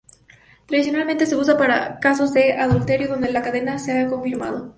Tradicionalmente se usa para casos de adulterio donde la condena se ha confirmado.